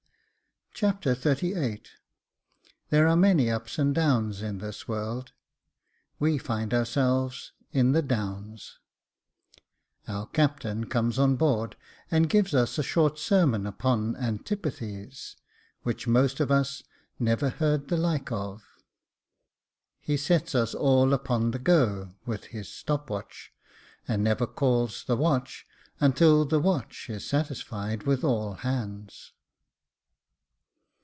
Chapter XXXVIII There are many ups and downs in this world — We find ourselves in the Downs — Our captain comes on board, and gives us a short sermon upon antipathies, which most of us never heard the like of — He sets us all upon the go, with his stop watch, and never calls the watch, until the watch is satisfied with all hands.